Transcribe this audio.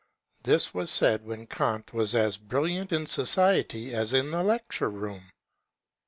This was said when Kant was as brilliant in society as in the lecture room.